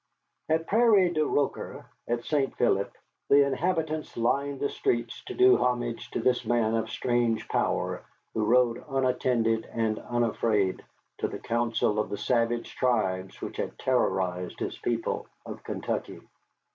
At Prairie du Rocher, at St. Philippe, the inhabitants lined the streets to do homage to this man of strange power who rode, unattended and unafraid, to the council of the savage tribes which had terrorized his people of Kentucky.